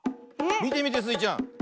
みてみてスイちゃん。